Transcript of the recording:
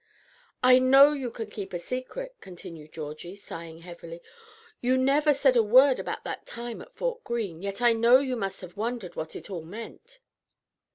"I know you can keep a secret," continued Georgie, sighing heavily; "you never said a word about that time at Fort Greene, yet I know you must have wondered what it all meant."